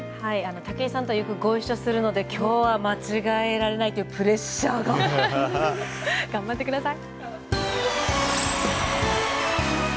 武井さんとよくご一緒するので今日は間違えられないという頑張ってください。